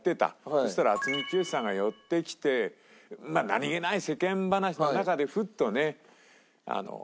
そしたら渥美清さんが寄ってきてまあ何げない世間話の中でフッとね。